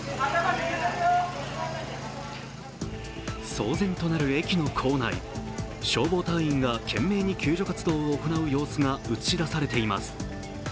騒然となる駅の構内、消防隊員が懸命に救助活動を行う様子が映し出されています。